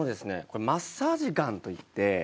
これマッサージガンといって。